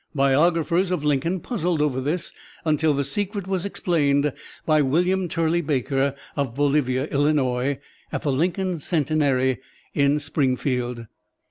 Biographers of Lincoln puzzled over this until the secret was explained by William Turley Baker, of Bolivia, Ill., at the Lincoln Centenary in Springfield.